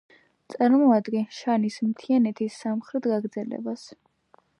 წარმოადგენს შანის მთიანეთის სამხრეთ გაგრძელებას.